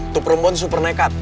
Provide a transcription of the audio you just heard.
tuh perempuan tuh super nekat